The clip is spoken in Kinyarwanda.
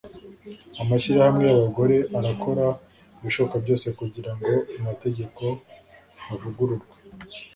amashyirahamwe y’abagore arakora ibishoboka byose kugira ngo amategeko avugururwe,